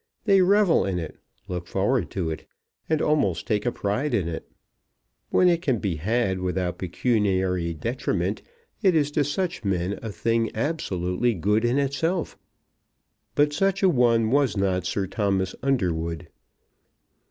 They revel in it, look forward to it, and almost take a pride in it. When it can be had without pecuniary detriment, it is to such men a thing absolutely good in itself. But such a one was not Sir Thomas Underwood.